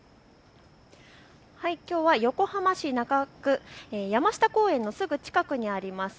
きょうは横浜市中区、山下公園のすぐ近くあります